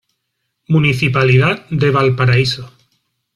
Municipalidad de Valparaíso.